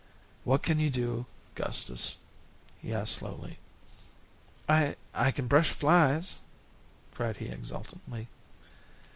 "What can you do, Gustus?" he asked slowly. "I I kin brush flies," cried he exultantly.